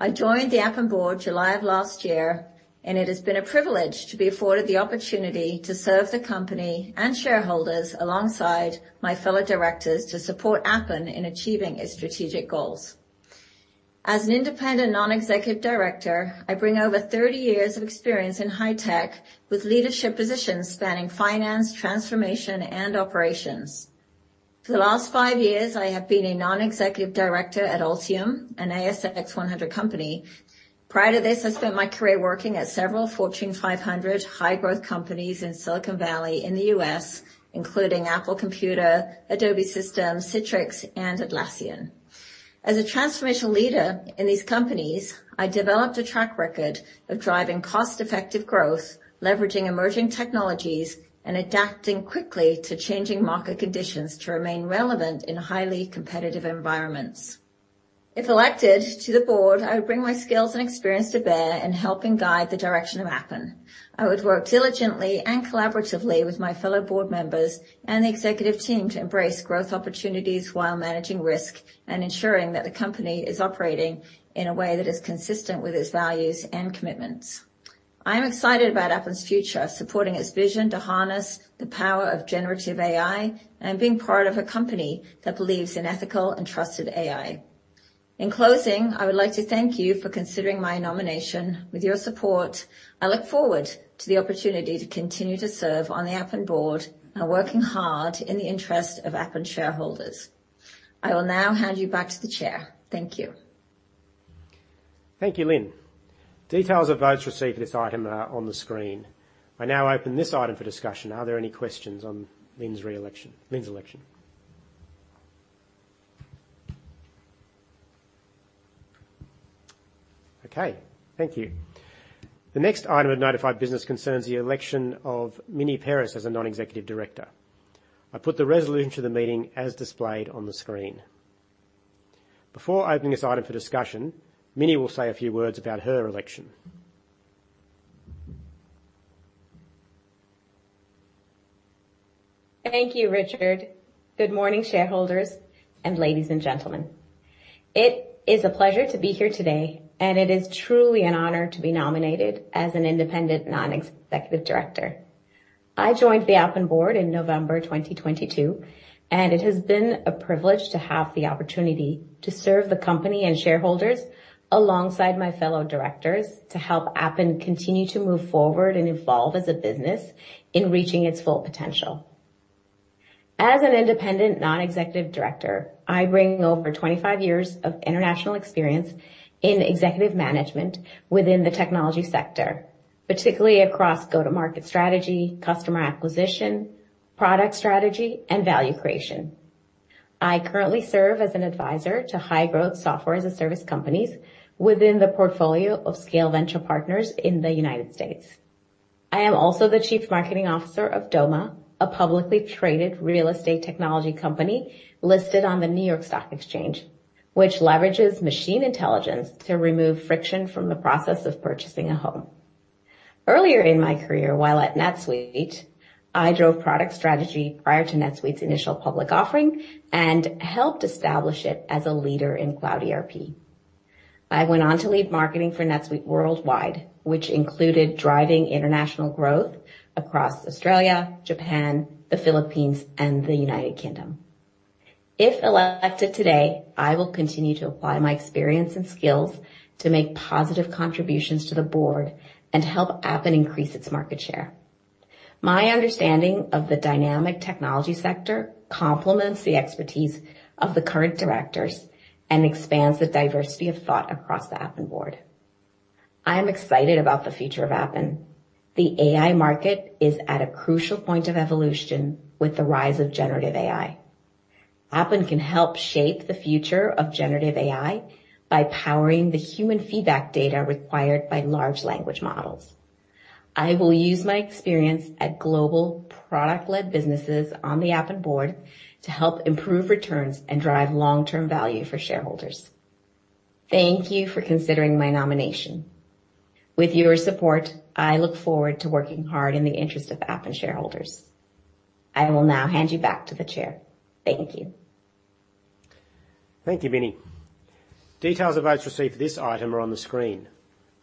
I joined the Appen board July of last year, and it has been a privilege to be afforded the opportunity to serve the company and shareholders alongside my fellow directors to support Appen in achieving its strategic goals. As an independent non-executive director, I bring over 30 years of experience in high tech, with leadership positions spanning finance, transformation, and operations. For the last five years, I have been a non-executive director at Altium, an ASX 100 company. Prior to this, I spent my career working at several Fortune 500 high-growth companies in Silicon Valley in the U.S., including Apple Computer, Adobe Systems, Citrix, and Atlassian. As a transformational leader in these companies, I developed a track record of driving cost-effective growth, leveraging emerging technologies, and adapting quickly to changing market conditions to remain relevant in highly competitive environments. If elected to the board, I would bring my skills and experience to bear in helping guide the direction of Appen. I would work diligently and collaboratively with my fellow board members and the executive team to embrace growth opportunities while managing risk and ensuring that the company is operating in a way that is consistent with its values and commitments. I am excited about Appen's future, supporting its vision to harness the power of generative AI and being part of a company that believes in ethical and trusted AI. In closing, I would like to thank you for considering my nomination. With your support, I look forward to the opportunity to continue to serve on the Appen board and working hard in the interest of Appen shareholders. I will now hand you back to the Chair. Thank you. Thank you, Lynn. Details of votes received for this item are on the screen. I now open this item for discussion. Are there any questions on Lynn's election? Okay, thank you. The next item of notified business concerns the election of Mini Peiris as a non-executive director. I put the resolution to the meeting as displayed on the screen. Before opening this item for discussion, Mini will say a few words about her election. Thank you, Richard. Good morning, shareholders, and ladies and gentlemen. It is a pleasure to be here today, and it is truly an honor to be nominated as an independent non-executive director. I joined the Appen board in November 2022, and it has been a privilege to have the opportunity to serve the company and shareholders alongside my fellow directors, to help Appen continue to move forward and evolve as a business in reaching its full potential. As an independent non-executive director, I bring over 25 years of international experience in executive management within the technology sector, particularly across go-to-market strategy, customer acquisition, product strategy, and value creation. I currently serve as an advisor to high-growth software as a service companies within the portfolio of Scale Venture Partners in the United States. I am also the Chief Marketing Officer of Doma, a publicly traded real estate technology company listed on the New York Stock Exchange, which leverages machine intelligence to remove friction from the process of purchasing a home. Earlier in my career, while at NetSuite, I drove product strategy prior to NetSuite's initial public offering and helped establish it as a leader in cloud ERP. I went on to lead marketing for NetSuite worldwide, which included driving international growth across Australia, Japan, the Philippines, and the United Kingdom. If elected today, I will continue to apply my experience and skills to make positive contributions to the board and help Appen increase its market share. My understanding of the dynamic technology sector complements the expertise of the current directors and expands the diversity of thought across the Appen board. I am excited about the future of Appen. The AI market is at a crucial point of evolution with the rise of generative AI. Appen can help shape the future of generative AI by powering the human feedback data required by large language models. I will use my experience at global product-led businesses on the Appen board to help improve returns and drive long-term value for shareholders. Thank you for considering my nomination. With your support, I look forward to working hard in the interest of Appen shareholders. I will now hand you back to the Chair. Thank you. Thank you, Mini. Details of votes received for this item are on the screen.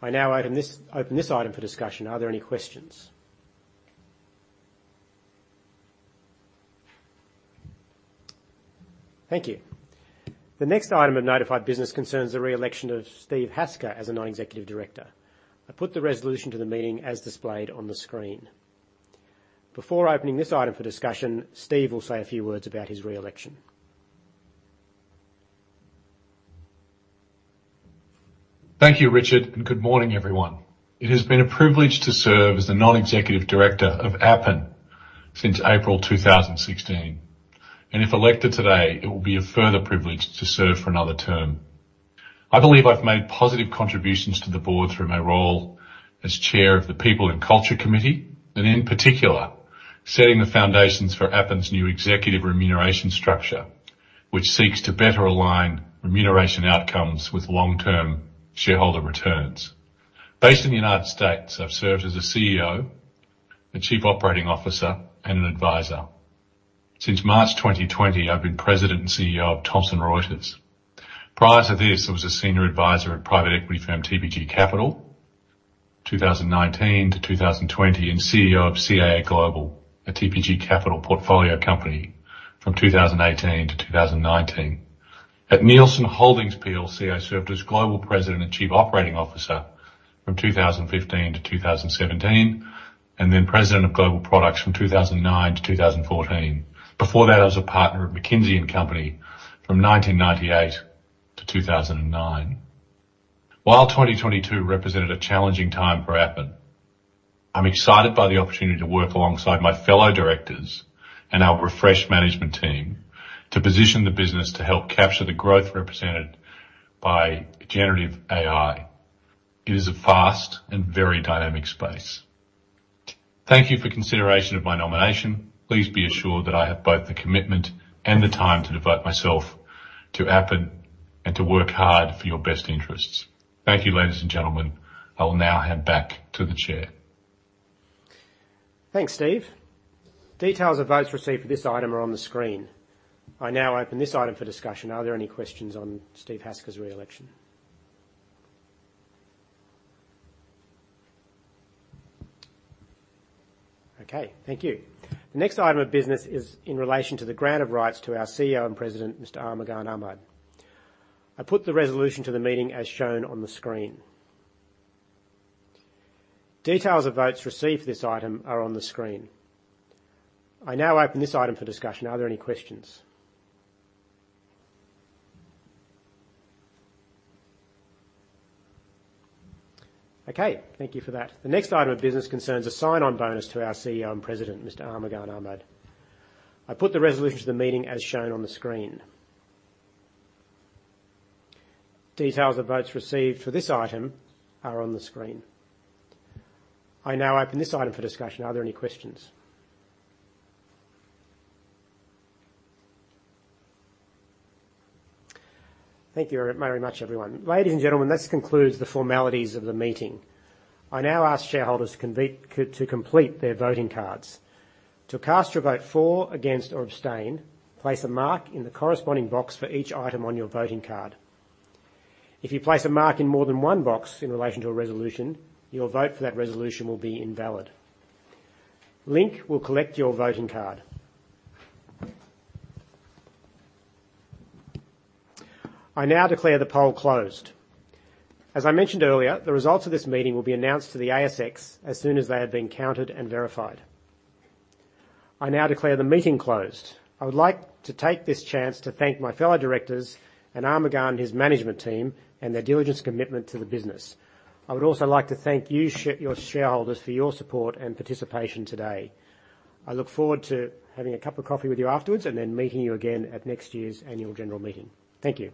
I now open this item for discussion. Are there any questions? Thank you. The next item of notified business concerns the re-election of Steve Hasker as a non-executive director. I put the resolution to the meeting as displayed on the screen. Before opening this item for discussion, Steve will say a few words about his re-election. Thank you, Richard. Good morning, everyone. It has been a privilege to serve as the Non-executive Director of Appen since April 2016. If elected today, it will be a further privilege to serve for another term. I believe I've made positive contributions to the board through my role as Chair of the People and Culture Committee, and in particular, setting the foundations for Appen's new executive remuneration structure, which seeks to better align remuneration outcomes with long-term shareholder returns. Based in the United States, I've served as a CEO, a Chief Operating Officer, and an advisor. Since March 2020, I've been President and CEO of Thomson Reuters. Prior to this, I was a senior advisor at private equity firm TPG Capital, 2019-2020, and CEO of CAA Global, a TPG Capital portfolio company from 2018-2019. At Nielsen Holdings plc, I served as Global President and Chief Operating Officer from 2015-2017, and then President of Global Products from 2009-2014. Before that, I was a partner at McKinsey & Company from 1998-2009. While 2022 represented a challenging time for Appen, I'm excited by the opportunity to work alongside my fellow directors and our refreshed management team to position the business to help capture the growth represented by generative AI. It is a fast and very dynamic space. Thank you for consideration of my nomination. Please be assured that I have both the commitment and the time to devote myself to Appen and to work hard for your best interests. Thank you, ladies and gentlemen. I will now hand back to the Chair. Thanks, Steve. Details of votes received for this item are on the screen. I now open this item for discussion. Are there any questions on Steve Hasker's re-election? Okay, thank you. The next item of business is in relation to the grant of rights to our CEO and President, Mr. Armughan Ahmad. I put the resolution to the meeting as shown on the screen. Details of votes received for this item are on the screen. I now open this item for discussion. Are there any questions? Okay, thank you for that. The next item of business concerns a sign-on bonus to our CEO and President, Mr. Armughan Ahmad. I put the resolution to the meeting as shown on the screen. Details of votes received for this item are on the screen. I now open this item for discussion. Are there any questions? Thank you very much, everyone. Ladies and gentlemen, this concludes the formalities of the meeting. I now ask shareholders to complete their voting cards. To cast your vote for, against, or abstain, place a mark in the corresponding box for each item on your voting card. If you place a mark in more than one box in relation to a resolution, your vote for that resolution will be invalid. Link will collect your voting card. I now declare the poll closed. As I mentioned earlier, the results of this meeting will be announced to the ASX as soon as they have been counted and verified. I now declare the meeting closed. I would like to take this chance to thank my fellow directors and Armughan and his management team, and their diligence commitment to the business. I would also like to thank you, your shareholders, for your support and participation today. I look forward to having a cup of coffee with you afterwards, and then meeting you again at next year's annual general meeting. Thank you.